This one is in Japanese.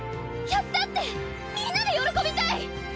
「やった！」ってみんなで喜びたい！